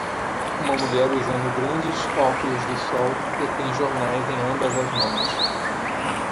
Uma mulher usando grandes óculos de sol detém jornais em ambas as mãos.